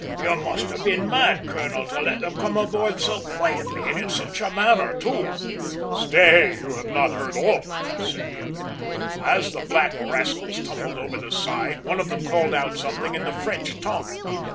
"You must have been mad, colonel, to let them come aboard so quietly and in such a manner, too!" "Stay, you have not heard all," said the other. "As the black rascals tumbled over the side, one of them called out something in the French tongue.